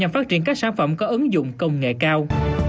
nhằm phát triển các sản phẩm có ứng dụng công nghệ cao